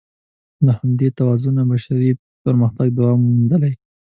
له همدې توازنه بشري پرمختګ دوام موندلی.